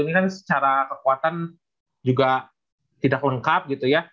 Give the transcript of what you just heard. ini kan secara kekuatan juga tidak lengkap gitu ya